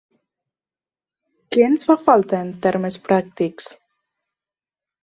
Què ens fa falta en termes pràctics?